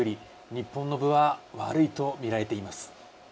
日本の分は悪いとみられています。